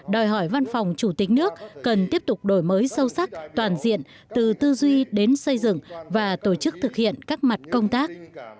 đòi hỏi văn phòng chủ tịch nước cần tiếp tục đổi mới sâu sắc toàn diện từ tư duy đến xây dựng và tổ chức thực hiện các mặt công tác